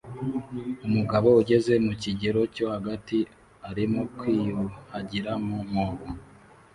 Umugabo ugeze mu kigero cyo hagati arimo kwiyuhagira mu mwobo